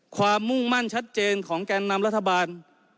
ความมุ่งมั่นชัดเจนของแก่อนามรัฐบาล